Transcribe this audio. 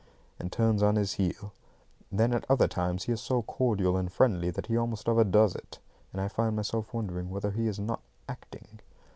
and turns on his heel. Then at other times he is so cordial and friendly that he almost overdoes it, and I find myself wondering whether he is not acting.